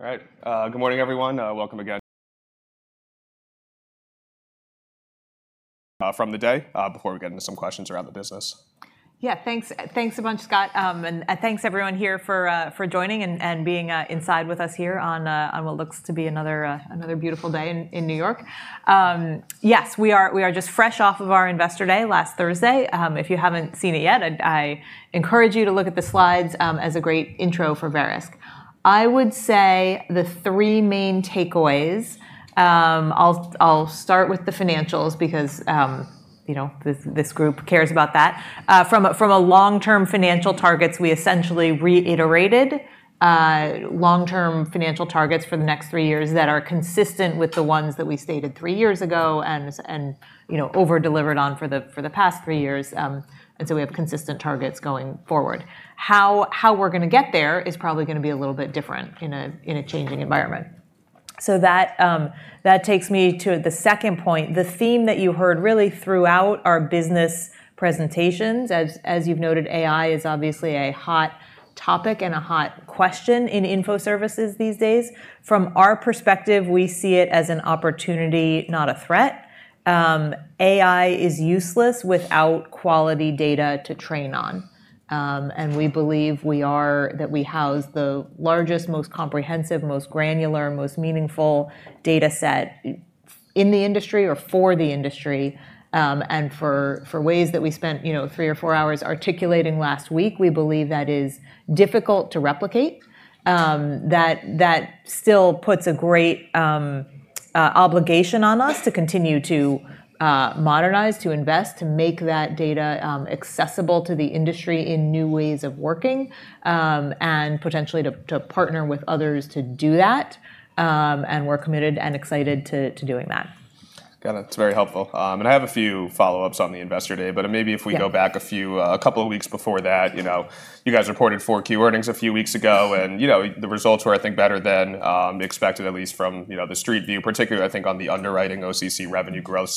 All right. Good morning, everyone. Welcome again. From the day, before we get into some questions around the business. Thanks a bunch, Scott, and thanks everyone here for joining and being inside with us here on what looks to be another beautiful day in New York. Yes, we are just fresh off of our Investor Day last Thursday. If you haven't seen it yet, I encourage you to look at the slides as a great intro for Verisk. I would say the three main takeaways. I'll start with the financials because you know, this group cares about that. From a long-term financial targets, we essentially reiterated long-term financial targets for the next three years that are consistent with the ones that we stated three years ago and, you know, over-delivered on for the past three years, and so we have consistent targets going forward. How we're gonna get there is probably gonna be a little bit different in a changing environment. That takes me to the second point. The theme that you heard really throughout our business presentations, as you've noted, AI is obviously a hot topic and a hot question in info services these days. From our perspective, we see it as an opportunity, not a threat. AI is useless without quality data to train on. We believe that we house the largest, most comprehensive, most granular, most meaningful data set in the industry or for the industry, and for ways that we spent, you know, three or four hours articulating last week, we believe that is difficult to replicate, that still puts a great obligation on us to continue to modernize, to invest, to make that data accessible to the industry in new ways of working, and potentially to partner with others to do that, and we're committed and excited to doing that. Got it. It's very helpful. I have a few follow-ups on the Investor Day, but maybe if we go back a few, a couple of weeks before that, you know, you guys reported Q4 earnings a few weeks ago, and, you know, the results were, I think, better than expected, at least from, you know, the street view, particularly, I think, on the underwriting OCC revenue growth.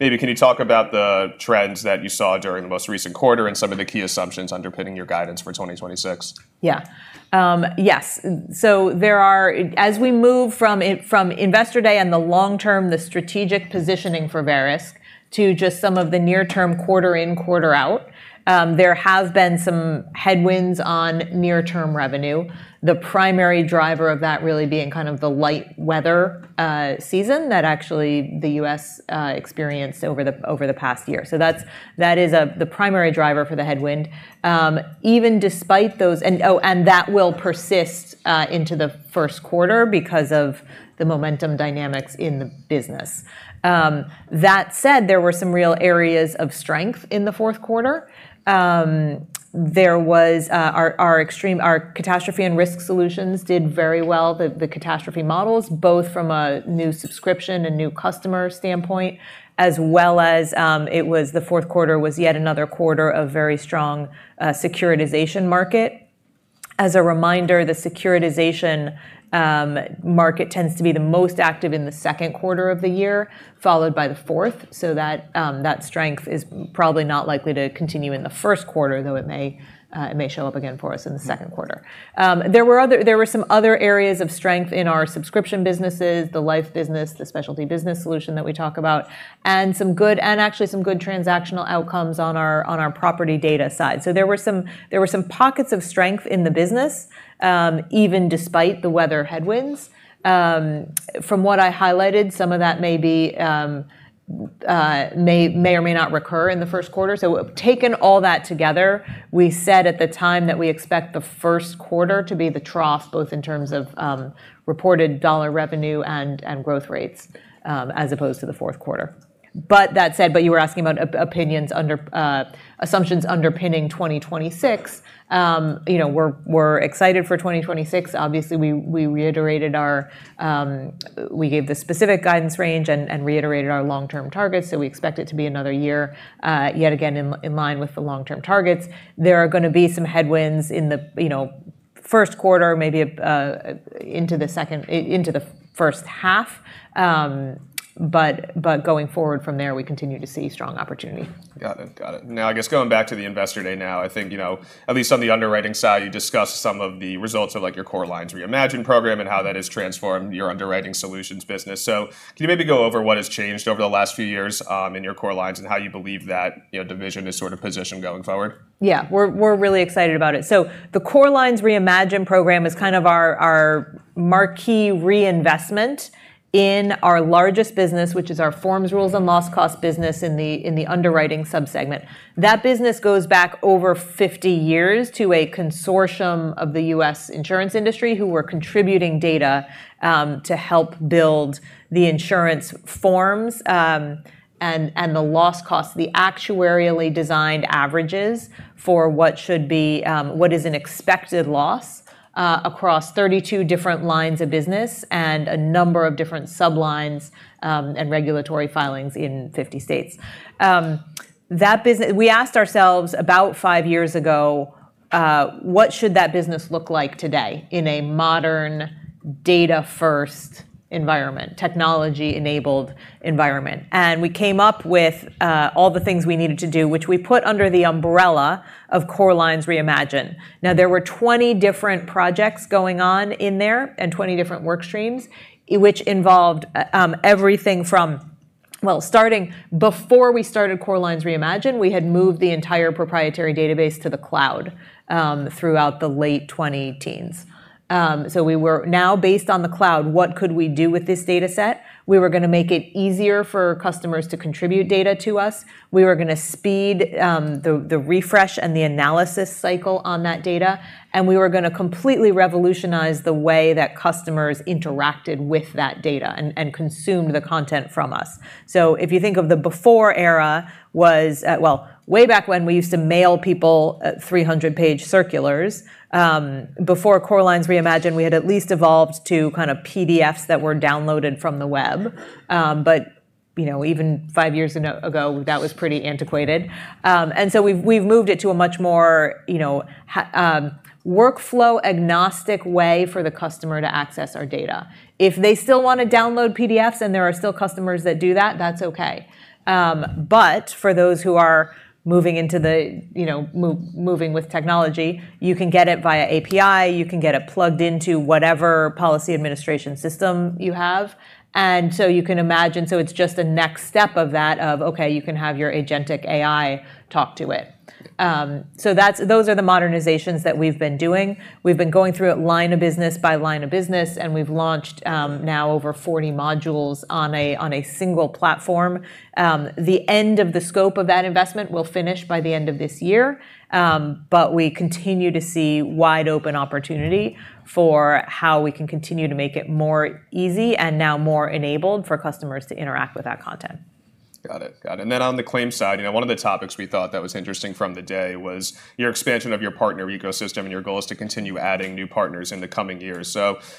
Maybe can you talk about the trends that you saw during the most recent quarter and some of the key assumptions underpinning your guidance for 2026? Yeah. Yes. As we move from Investor Day and the long term, the strategic positioning for Verisk, to just some of the near-term quarter-in, quarter-out, there have been some headwinds on near-term revenue. The primary driver of that really being kind of the light weather season that actually the U.S. experienced over the past year. That is the primary driver for the headwind. Even despite those, that will persist into the first quarter because of the momentum dynamics in the business. That said, there were some real areas of strength in the fourth quarter. There was our catastrophe and risk solutions did very well. The catastrophe models, both from a new subscription and new customer standpoint, as well as it was the fourth quarter, yet another quarter of very strong securitization market. As a reminder, the securitization market tends to be the most active in the second quarter of the year, followed by the fourth, so that strength is probably not likely to continue in the first quarter, though it may show up again for us in the second quarter. There were some other areas of strength in our subscription businesses, the life business, the specialty business solution that we talk about, and actually some good transactional outcomes on our property data side. There were some pockets of strength in the business, even despite the weather headwinds. From what I highlighted, some of that may or may not recur in the first quarter. Taken all that together, we said at the time that we expect the first quarter to be the trough, both in terms of reported dollar revenue and growth rates, as opposed to the fourth quarter. That said, you were asking about opinions under assumptions underpinning 2026. You know, we're excited for 2026. Obviously, we reiterated our, we gave the specific guidance range and reiterated our long-term targets, so we expect it to be another year, yet again, in line with the long-term targets. There are gonna be some headwinds in the first quarter, maybe into the second, into the first half. Going forward from there, we continue to see strong opportunity. Got it. Now, I guess going back to the Investor Day, I think, you know, at least on the underwriting side, you discussed some of the results of like your Core Lines Reimagined program and how that has transformed your underwriting solutions business. Can you maybe go over what has changed over the last few years in your Core Lines and how you believe that, you know, division is sort of positioned going forward? Yeah. We're really excited about it. The Core Lines Reimagined program is kind of our marquee reinvestment in our largest business, which is our forms, rules, and loss cost business in the underwriting subsegment. That business goes back over 50 years to a consortium of the U.S. insurance industry who were contributing data to help build the insurance forms and the loss costs, the actuarially designed averages for what should be what is an expected loss across 32 different lines of business and a number of different sublines and regulatory filings in 50 states. We asked ourselves about five years ago what should that business look like today in a modern data-first environment, technology-enabled environment? We came up with all the things we needed to do, which we put under the umbrella of Core Lines Reimagined. Now, there were 20 different projects going on in there and 20 different work streams, which involved everything from. Well, starting before we started Core Lines Reimagined, we had moved the entire proprietary database to the cloud throughout the late 2010s. We were now based on the cloud. What could we do with this dataset? We were gonna make it easier for customers to contribute data to us. We were gonna speed the refresh and the analysis cycle on that data, and we were gonna completely revolutionize the way that customers interacted with that data and consumed the content from us. If you think of the before era was at. Well, way back when we used to mail people 300-page circulars. Before Core Lines Reimagined, we had at least evolved to kind of PDFs that were downloaded from the web. You know, even five years ago, that was pretty antiquated. We've moved it to a much more, you know, workflow agnostic way for the customer to access our data. If they still wanna download PDFs, and there are still customers that do that's okay. For those who are moving into the, you know, moving with technology, you can get it via API, you can get it plugged into whatever policy administration system you have. You can imagine, so it's just a next step of that, of okay, you can have your agentic AI talk to it. Those are the modernizations that we've been doing. We've been going through it line of business by line of business, and we've launched now over 40 modules on a single platform. The end of the scope of that investment will finish by the end of this year, but we continue to see wide open opportunity for how we can continue to make it more easy and now more enabled for customers to interact with that content. Got it. On the claim side, you know, one of the topics we thought that was interesting from the day was your expansion of your partner ecosystem and your goal is to continue adding new partners in the coming years.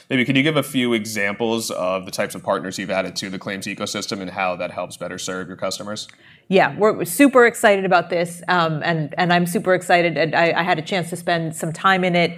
Maybe could you give a few examples of the types of partners you've added to the claims ecosystem and how that helps better serve your customers? Yeah. We're super excited about this, and I'm super excited. I had a chance to spend some time in it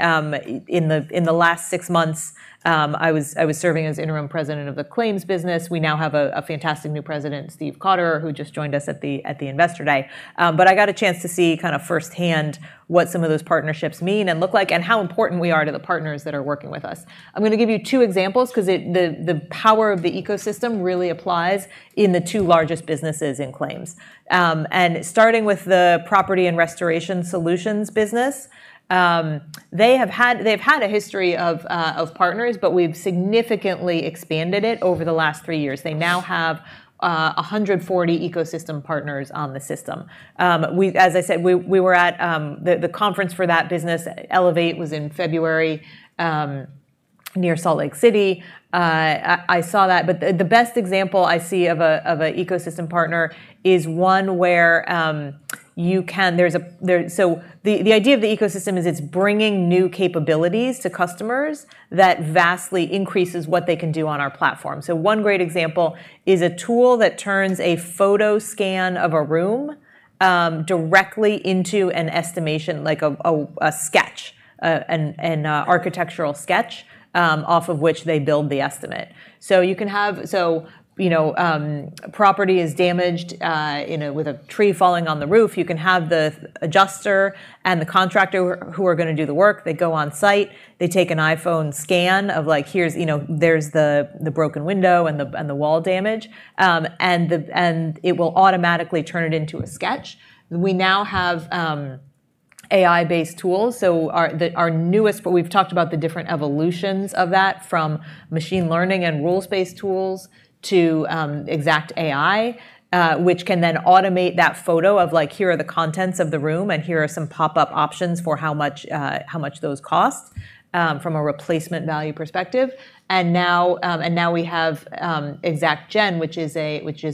in the last six months. I was serving as interim president of the claims business. We now have a fantastic new president, Steve Cotter, who just joined us at the Investor Day. I got a chance to see kinda firsthand what some of those partnerships mean and look like, and how important we are to the partners that are working with us. I'm gonna give you two examples 'cause the power of the ecosystem really applies in the two largest businesses in claims. Starting with the property and restoration solutions business, they have had... They've had a history of partners, but we've significantly expanded it over the last three years. They now have 140 ecosystem partners on the system. As I said, we were at the conference for that business. Elevate was in February near Salt Lake City. I saw that, but the best example I see of an ecosystem partner is one where so the idea of the ecosystem is it's bringing new capabilities to customers that vastly increases what they can do on our platform. So one great example is a tool that turns a photo scan of a room directly into an estimation, like a sketch, an architectural sketch, off of which they build the estimate. So you can have You know, property is damaged, you know, with a tree falling on the roof. You can have the adjuster and the contractor who are gonna do the work. They go on site. They take an iPhone scan of like, here's, you know, there's the broken window and the wall damage. And it will automatically turn it into a sketch. We now have AI-based tools. Our newest, but we've talked about the different evolutions of that from machine learning and rules-based tools to XactAI, which can then automate that photo of like, here are the contents of the room, and here are some pop-up options for how much those cost from a replacement value perspective. we have XactAI, which is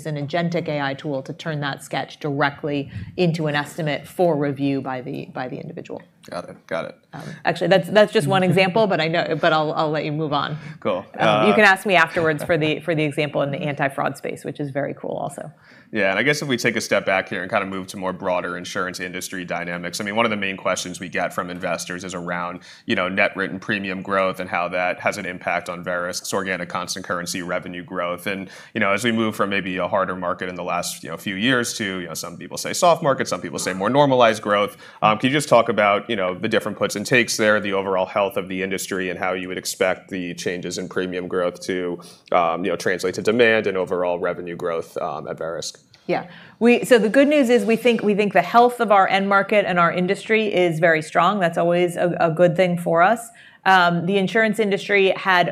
an agentic AI tool to turn that sketch directly into an estimate for review by the individual. Got it. Got it. Actually, that's just one example, but I'll let you move on. Cool. You can ask me afterwards for the example in the anti-fraud space, which is very cool also. Yeah. I guess if we take a step back here and kind of move to more broader insurance industry dynamics, I mean, one of the main questions we get from investors is around, you know, net written premium growth and how that has an impact on Verisk's organic constant currency revenue growth. You know, as we move from maybe a harder market in the last, you know, few years to, you know, some people say soft market, some people say more normalized growth, can you just talk about, you know, the different puts and takes there, the overall health of the industry, and how you would expect the changes in premium growth to, you know, translate to demand and overall revenue growth, at Verisk? Yeah. The good news is we think the health of our end market and our industry is very strong. That's always a good thing for us. The insurance industry had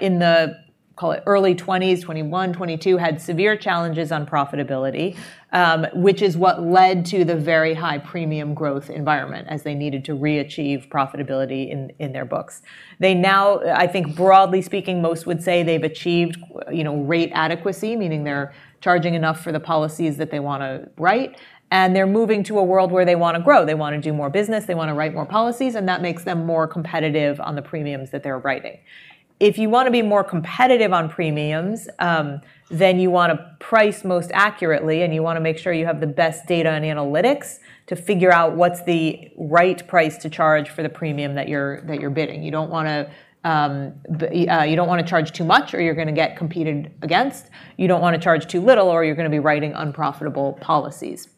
in the call it early twenties, 2021, 2022, severe challenges on profitability, which is what led to the very high premium growth environment as they needed to re-achieve profitability in their books. They now I think broadly speaking, most would say they've achieved, you know, rate adequacy, meaning they're charging enough for the policies that they wanna write, and they're moving to a world where they wanna grow. They wanna do more business, they wanna write more policies, and that makes them more competitive on the premiums that they're writing. If you wanna be more competitive on premiums, then you wanna price most accurately, and you wanna make sure you have the best data and analytics to figure out what's the right price to charge for the premium that you're bidding. You don't wanna charge too much or you're gonna get competed against. You don't wanna charge too little or you're gonna be writing unprofitable policies.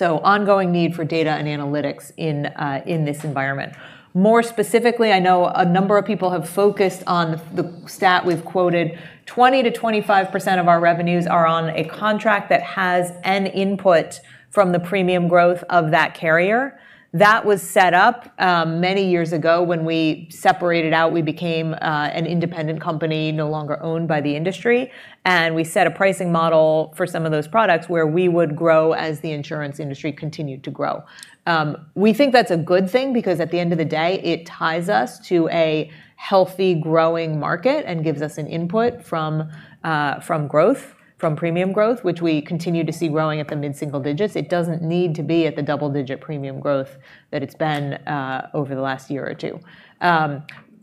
Ongoing need for data and analytics in this environment. More specifically, I know a number of people have focused on the stat we've quoted. 20%-25% of our revenues are on a contract that has an input from the premium growth of that carrier. That was set up many years ago when we separated out. We became an independent company, no longer owned by the industry, and we set a pricing model for some of those products where we would grow as the insurance industry continued to grow. We think that's a good thing because at the end of the day, it ties us to a healthy, growing market and gives us an input from growth, from premium growth, which we continue to see growing at the mid-single digits. It doesn't need to be at the double-digit premium growth that it's been over the last year or two.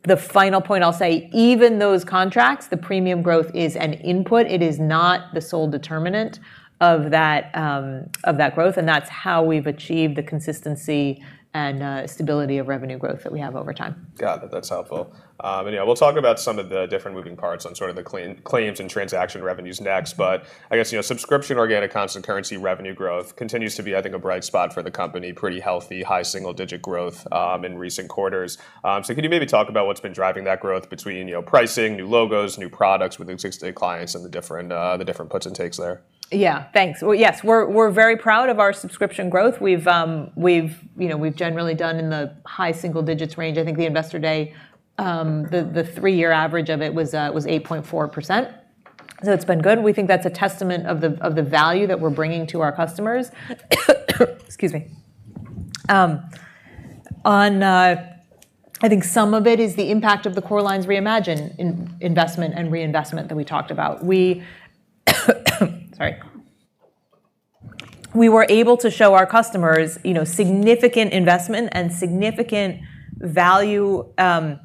The final point I'll say, even those contracts, the premium growth is an input. It is not the sole determinant of that growth, and that's how we've achieved the consistency and stability of revenue growth that we have over time. Got it. That's helpful. Yeah, we'll talk about some of the different moving parts on sort of the claims and transaction revenues next. I guess, you know, subscription organic constant currency revenue growth continues to be, I think, a bright spot for the company. Pretty healthy, high single-digit growth in recent quarters. Could you maybe talk about what's been driving that growth between, you know, pricing, new logos, new products with existing clients and the different puts and takes there? Yeah. Thanks. Well, yes, we're very proud of our subscription growth. We've, you know, generally done in the high single digits range. I think the investor day, the three-year average of it was 8.4%. It's been good. We think that's a testament of the value that we're bringing to our customers. Excuse me. I think some of it is the impact of the Core Lines Reimagined investment and reinvestment that we talked about. We were able to show our customers, you know, significant investment and significant value and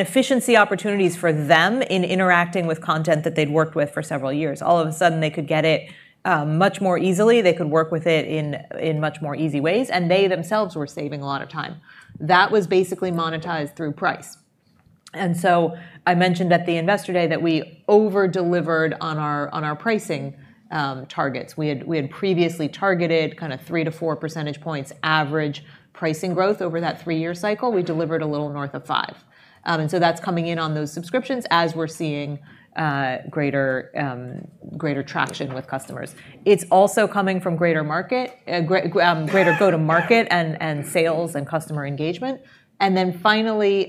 efficiency opportunities for them in interacting with content that they'd worked with for several years. All of a sudden, they could get it much more easily. They could work with it in much more easy ways, and they themselves were saving a lot of time. That was basically monetized through price. I mentioned at the investor day that we over-delivered on our pricing targets. We had previously targeted kinda three to four percentage points average pricing growth over that three-year cycle. We delivered a little north of five. That's coming in on those subscriptions as we're seeing greater traction with customers. It's also coming from greater market greater go-to-market and sales and customer engagement. Finally,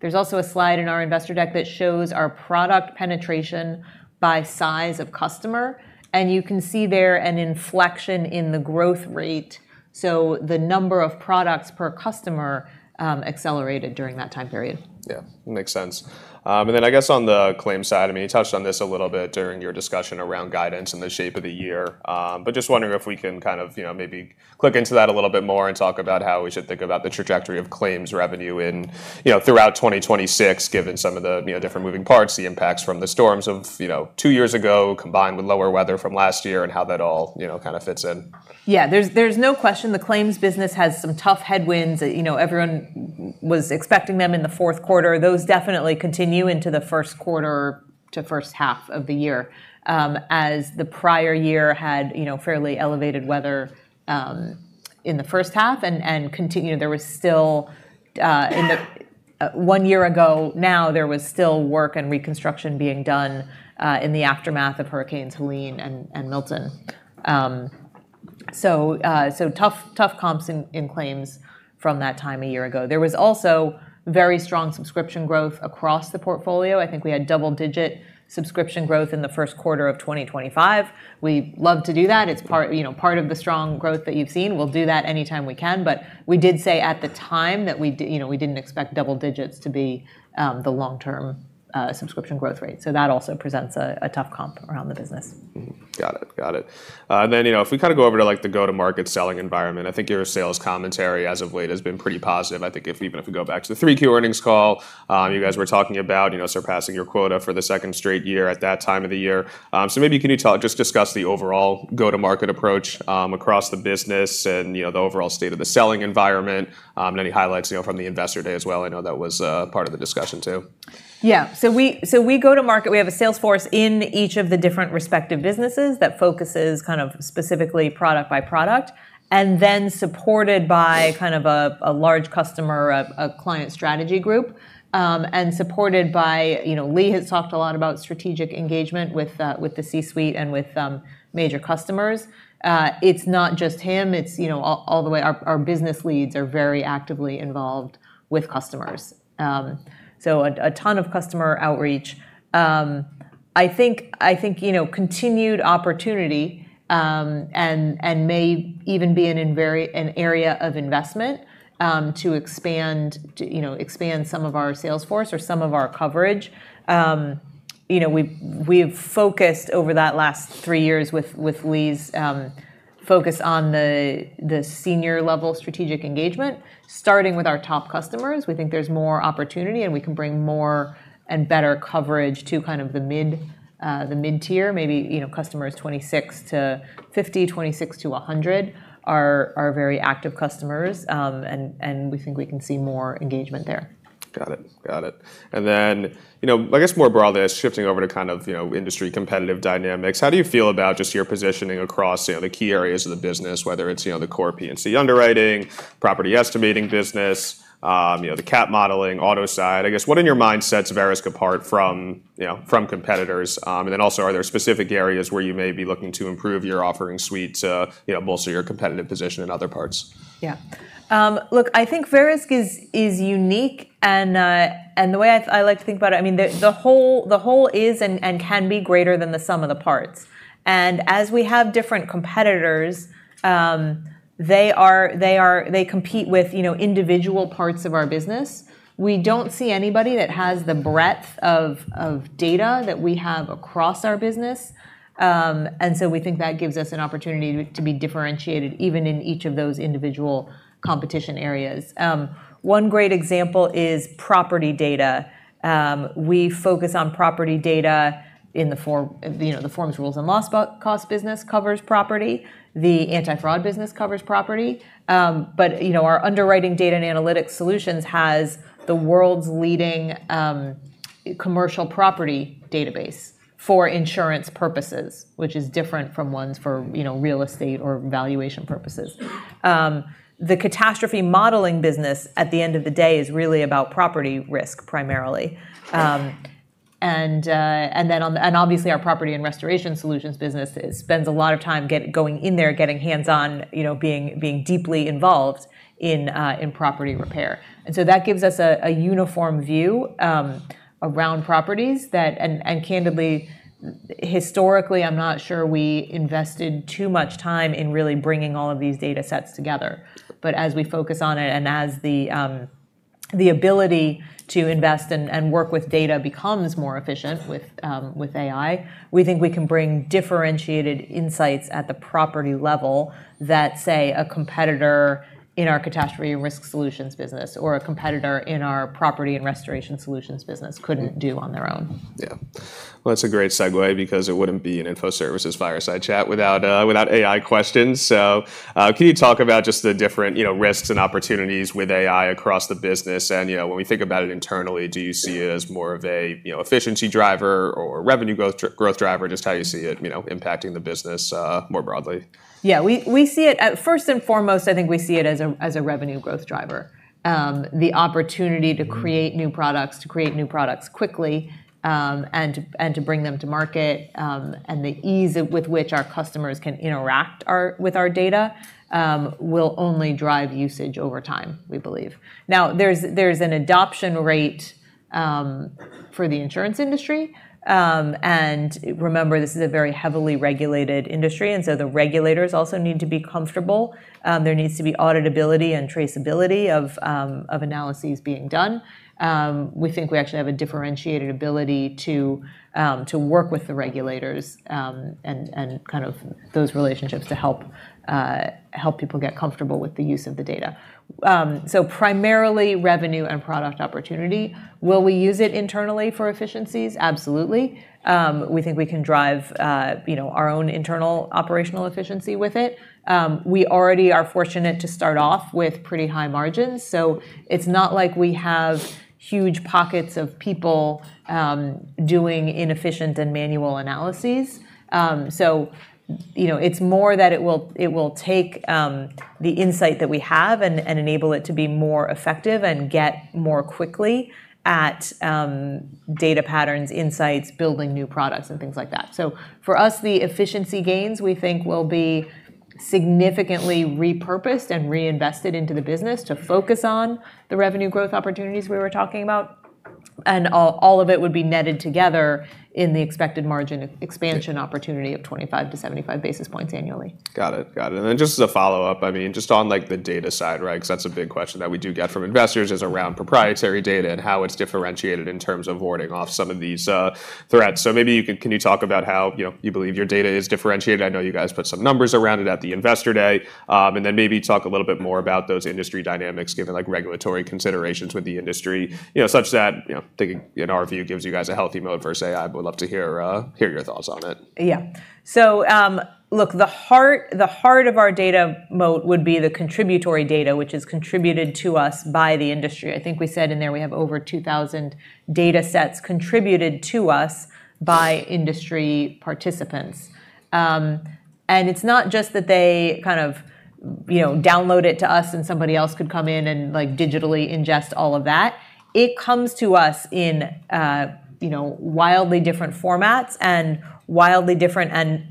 there's also a slide in our investor deck that shows our product penetration by size of customer, and you can see there an inflection in the growth rate, so the number of products per customer, accelerated during that time period. Yeah. Makes sense. I guess on the claims side, I mean, you touched on this a little bit during your discussion around guidance and the shape of the year. Just wondering if we can kind of, you know, maybe click into that a little bit more and talk about how we should think about the trajectory of claims revenue in, you know, throughout 2026, given some of the, you know, different moving parts, the impacts from the storms of, you know, two years ago, combined with lower weather from last year and how that all, you know, kinda fits in. Yeah. There's no question the claims business has some tough headwinds. You know, everyone was expecting them in the fourth quarter. Those definitely continue into the first quarter to first half of the year, as the prior year had, you know, fairly elevated weather in the first half and continued. There was still, one year ago now, there was still work and reconstruction being done in the aftermath of Hurricanes Helene and Milton. Tough comps in claims from that time a year ago. There was also very strong subscription growth across the portfolio. I think we had double-digit subscription growth in the first quarter of 2025. We love to do that. It's part, you know, part of the strong growth that you've seen. We'll do that anytime we can. we did say at the time that you know, we didn't expect double digits to be the long-term subscription growth rate. that also presents a tough comp around the business. Mm-hmm. Got it. You know, if we kinda go over to, like, the go-to-market selling environment, I think your sales commentary as of late has been pretty positive. I think even if we go back to the Q3 earnings call, you guys were talking about, you know, surpassing your quota for the second straight year at that time of the year. Maybe can you just discuss the overall go-to-market approach, across the business and, you know, the overall state of the selling environment, and any highlights, you know, from the investor day as well. I know that was part of the discussion too. Yeah. We go to market. We have a sales force in each of the different respective businesses that focuses kind of specifically product by product, and then supported by kind of a large customer, a client strategy group, and supported by, you know, Lee has talked a lot about strategic engagement with the C-suite and with major customers. It's not just him, it's, you know, all the way. Our business leads are very actively involved with customers. A ton of customer outreach. I think, you know, continued opportunity, and may even be an area of investment, to expand, you know, expand some of our sales force or some of our coverage. You know, we've focused over that last three years with Lee's focus on the senior level strategic engagement, starting with our top customers. We think there's more opportunity, and we can bring more and better coverage to kind of the mid-tier, maybe, you know, customers 26 to 50, 26 to 100 are very active customers. We think we can see more engagement there. Got it. Then, you know, I guess more broadly, shifting over to kind of, you know, industry competitive dynamics, how do you feel about just your positioning across, you know, the key areas of the business, whether it's, you know, the core P&C underwriting, property estimating business, you know, the cat modeling, auto side? I guess, what in your mind sets Verisk apart from, you know, competitors? Then also, are there specific areas where you may be looking to improve your offering suite to, you know, bolster your competitive position in other parts? Yeah. Look, I think Verisk is unique and the way I like to think about it, I mean, the whole is and can be greater than the sum of the parts. As we have different competitors, they compete with, you know, individual parts of our business. We don't see anybody that has the breadth of data that we have across our business. So we think that gives us an opportunity to be differentiated even in each of those individual competition areas. One great example is property data. We focus on property data in the form of you know, the forms, rules, and loss cost business covers property. The anti-fraud business covers property. You know, our underwriting data and analytics solutions has the world's leading commercial property database for insurance purposes, which is different from ones for, you know, real estate or valuation purposes. The catastrophe modeling business at the end of the day is really about property risk primarily. Obviously our property and restoration solutions business spends a lot of time going in there, getting hands-on, you know, being deeply involved in property repair. That gives us a uniform view around properties. Candidly, historically, I'm not sure we invested too much time in really bringing all of these data sets together. As we focus on it and as the ability to invest and work with data becomes more efficient with AI, we think we can bring differentiated insights at the property level that, say, a competitor in our catastrophe and risk solutions business or a competitor in our property and restoration solutions business couldn't do on their own. Yeah. Well, that's a great segue because it wouldn't be an Info Services Fireside Chat without AI questions. Can you talk about just the different, you know, risks and opportunities with AI across the business? You know, when we think about it internally, do you see it as more of a, you know, efficiency driver or revenue growth driver? Just how you see it, you know, impacting the business more broadly. Yeah. We see it first and foremost as a revenue growth driver. The opportunity to create new products quickly and to bring them to market and the ease with which our customers can interact with our data will only drive usage over time, we believe. Now, there's an adoption rate for the insurance industry and remember this is a very heavily regulated industry, so the regulators also need to be comfortable. There needs to be auditability and traceability of analyses being done. We think we actually have a differentiated ability to work with the regulators and kind of those relationships to help people get comfortable with the use of the data. Primarily revenue and product opportunity. Will we use it internally for efficiencies? Absolutely. We think we can drive, you know, our own internal operational efficiency with it. We already are fortunate to start off with pretty high margins, so it's not like we have huge pockets of people doing inefficient and manual analyses. You know, it's more that it will take the insight that we have and enable it to be more effective and get more quickly at data patterns, insights, building new products, and things like that. For us, the efficiency gains we think will be significantly repurposed and reinvested into the business to focus on the revenue growth opportunities we were talking about, and all of it would be netted together in the expected margin expansion opportunity of 25-75 basis points annually. Got it. Then just as a follow-up, I mean, just on like the data side, right, 'cause that's a big question that we do get from investors is around proprietary data and how it's differentiated in terms of warding off some of these threats. So maybe you can talk about how, you know, you believe your data is differentiated. I know you guys put some numbers around it at the Investor Day. Then maybe talk a little bit more about those industry dynamics given like regulatory considerations with the industry, you know, such that in our view gives you guys a healthy moat versus AI, but would love to hear your thoughts on it. Yeah. Look, the heart of our data moat would be the contributory data, which is contributed to us by the industry. I think we said in there we have over 2,000 data sets contributed to us by industry participants. It's not just that they kind of, you know, download it to us and somebody else could come in and like digitally ingest all of that. It comes to us in, you know, wildly different formats and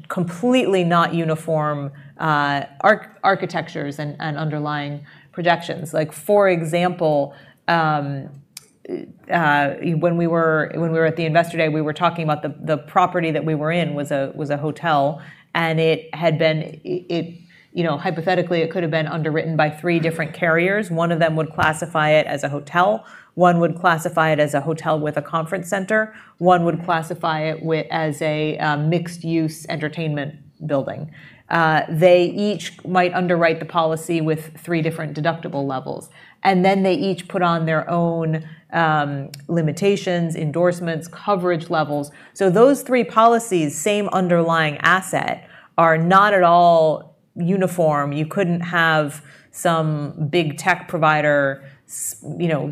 completely not uniform architectures and underlying projections. Like, for example, when we were at the Investor Day, we were talking about the property that we were in was a hotel, and, you know, hypothetically it could have been underwritten by three different carriers. One of them would classify it as a hotel. One would classify it as a hotel with a conference center. One would classify it as a mixed use entertainment building. They each might underwrite the policy with three different deductible levels, and then they each put on their own limitations, endorsements, coverage levels. Those three policies, same underlying asset are not at all uniform. You couldn't have some big tech provider you know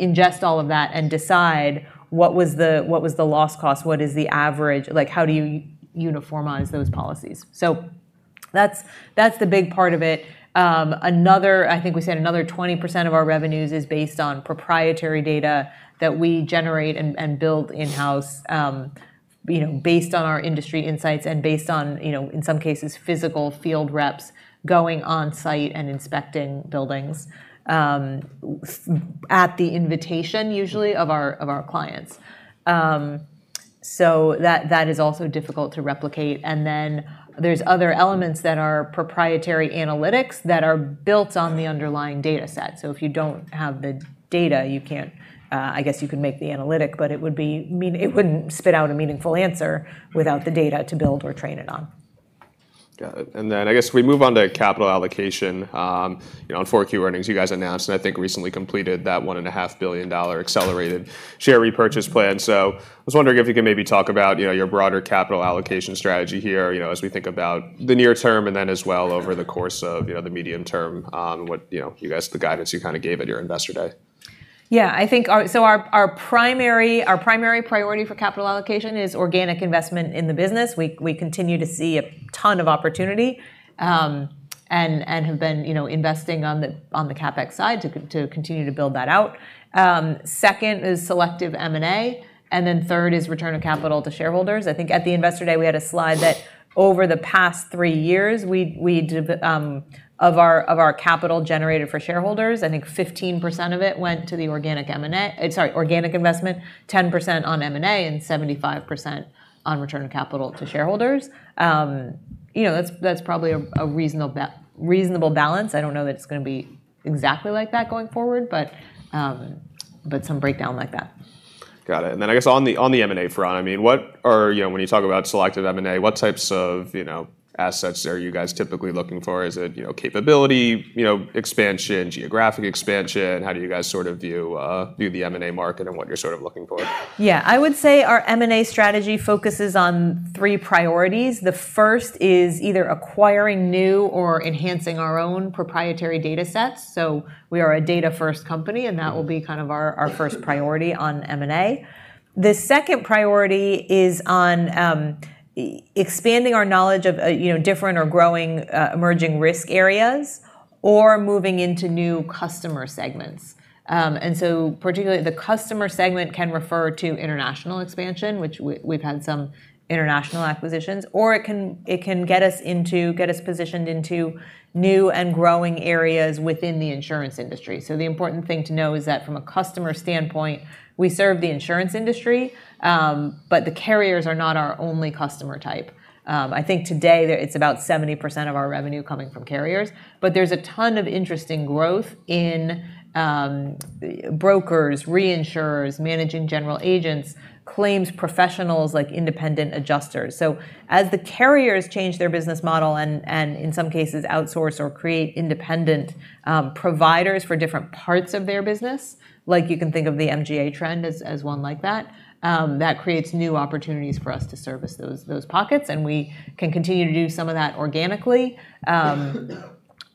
ingest all of that and decide what was the loss cost, what is the average, like, how do you uniform on those policies? That's the big part of it. I think we said another 20% of our revenues is based on proprietary data that we generate and build in-house, you know, based on our industry insights and based on, you know, in some cases, physical field reps going on-site and inspecting buildings, at the invitation usually of our clients. That is also difficult to replicate. Then there's other elements that are proprietary analytics that are built on the underlying data set. If you don't have the data, you can't. I guess you can make the analytic, but it wouldn't spit out a meaningful answer without the data to build or train it on. Got it. I guess we move on to capital allocation. You know, on Q4 earnings, you guys announced, and I think recently completed that $1.5 billion accelerated share repurchase plan. I was wondering if you could maybe talk about, you know, your broader capital allocation strategy here, you know, as we think about the near term and then as well over the course of, you know, the medium term on what, you know, you guys, the guidance you kinda gave at your Investor Day. Yeah. I think our primary priority for capital allocation is organic investment in the business. We continue to see a ton of opportunity and have been, you know, investing on the CapEx side to continue to build that out. Second is selective M&A, and then third is return of capital to shareholders. I think at the Investor Day, we had a slide that over the past three years, of our capital generated for shareholders, I think 15% of it went to the organic investment, 10% on M&A, and 75% on return of capital to shareholders. You know, that's probably a reasonable balance. I don't know that it's gonna be exactly like that going forward, but some breakdown like that. Got it. I guess on the M&A front, I mean, what are you know, when you talk about selective M&A, what types of, you know, assets are you guys typically looking for? Is it, you know, capability, you know, expansion, geographic expansion? How do you guys sort of view the M&A market and what you're sort of looking for? Yeah. I would say our M&A strategy focuses on three priorities. The first is either acquiring new or enhancing our own proprietary datasets. We are a data-first company, and that will be kind of our first priority on M&A. The second priority is on expanding our knowledge of, you know, different or growing emerging risk areas or moving into new customer segments. Particularly the customer segment can refer to international expansion, which we've had some international acquisitions, or it can get us positioned into new and growing areas within the insurance industry. The important thing to know is that from a customer standpoint, we serve the insurance industry, but the carriers are not our only customer type. I think today it's about 70% of our revenue coming from carriers, but there's a ton of interesting growth in brokers, reinsurers, managing general agents, claims professionals, like independent adjusters. As the carriers change their business model and in some cases outsource or create independent providers for different parts of their business, like you can think of the MGA trend as one like that creates new opportunities for us to service those pockets, and we can continue to do some of that organically,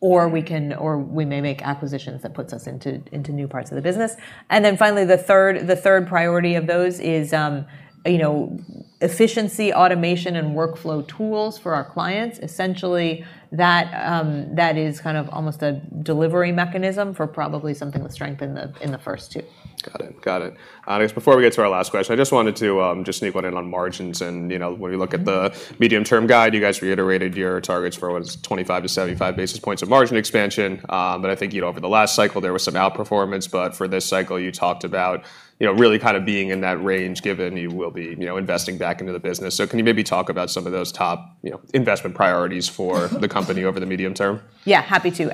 or we may make acquisitions that puts us into new parts of the business. Then finally, the third priority of those is you know, efficiency, automation, and workflow tools for our clients. Essentially, that is kind of almost a delivery mechanism for probably something with strength in the first two. Got it. I guess before we get to our last question, I just wanted to just sneak one in on margins. You know, when we look at the medium-term guide, you guys reiterated your targets for what it is, 25-75 basis points of margin expansion. I think, you know, over the last cycle, there was some outperformance, but for this cycle you talked about, you know, really kind of being in that range given you will be, you know, investing back into the business. Can you maybe talk about some of those top, you know, investment priorities for the company over the medium term? Yeah, happy to.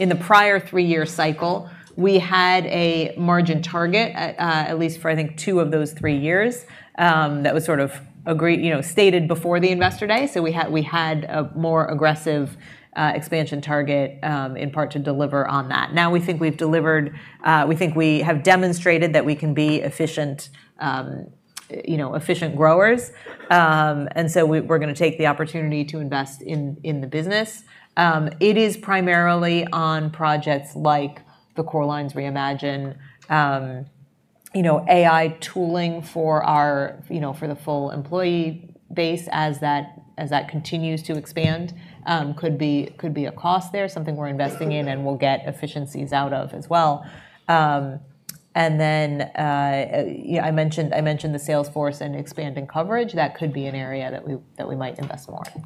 In the prior three-year cycle, we had a margin target, at least for I think two of those three years, that was sort of agreed, you know, stated before the Investor Day. We had a more aggressive expansion target, in part to deliver on that. Now, we think we've delivered. We think we have demonstrated that we can be efficient, you know, efficient growers. We're gonna take the opportunity to invest in the business. It is primarily on projects like the Core Lines Reimagined, you know, AI tooling for our, you know, for the full employee base as that continues to expand, could be a cost. There is something we're investing in and we'll get efficiencies out of as well. Yeah, I mentioned the sales force and expanding coverage. That could be an area that we might invest more in.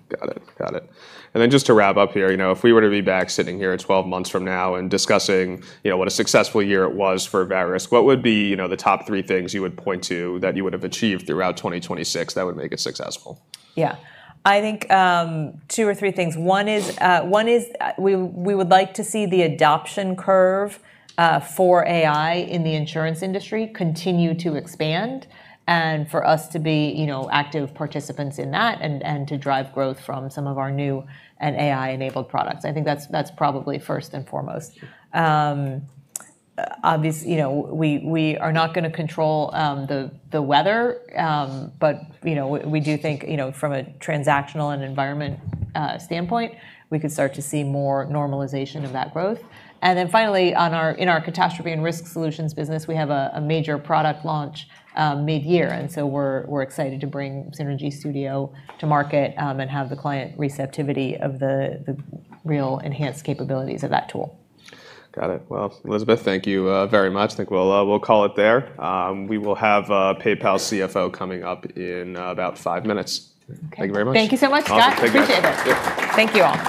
Got it. Just to wrap up here, you know, if we were to be back sitting here 12 months from now and discussing, you know, what a successful year it was for Verisk, what would be, you know, the top three things you would point to that you would have achieved throughout 2026 that would make it successful? Yeah. I think two or three things. One is we would like to see the adoption curve for AI in the insurance industry continue to expand, and for us to be, you know, active participants in that and to drive growth from some of our new and AI-enabled products. I think that's probably first and foremost. Obviously, you know, we are not gonna control the weather, but you know, we do think, you know, from a transactional environment standpoint, we could start to see more normalization of that growth. Finally, in our catastrophe and risk solutions business, we have a major product launch midyear, and so we're excited to bring Synergy Studio to market, and have the client receptivity of the real enhanced capabilities of that tool. Got it. Well, Elizabeth, thank you very much. I think we'll call it there. We will have PayPal CFO coming up in about five minutes. Okay. Thank you very much. Thank you so much, Scott. Awesome. Take care. Appreciate it. Yeah. Thank you all.